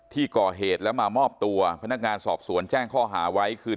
ที่ก่อเหตุแล้วมามอบตัวพนักงานสอบสวนแจ้งข้อหาไว้คือ